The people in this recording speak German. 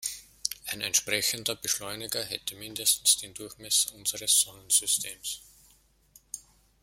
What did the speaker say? Ein entsprechender Beschleuniger hätte mindestens den Durchmesser unseres Sonnensystems.